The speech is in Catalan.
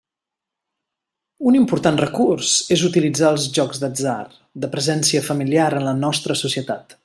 Un important recurs és utilitzar els jocs d'atzar, de presència familiar en la nostra societat.